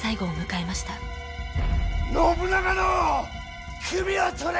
信長の首を取れ！